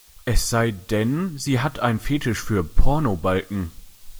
Es sei denn, sie hat einen Fetisch für Pornobalken.